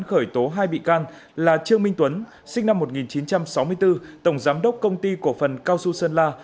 khởi tố hai bị can là trương minh tuấn sinh năm một nghìn chín trăm sáu mươi bốn tổng giám đốc công ty cổ phần cao xu sơn la